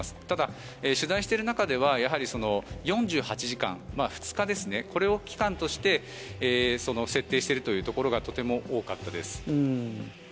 ただ、取材している中では４８時間２日ですね、これを期間として設定しているところがとても多かったです。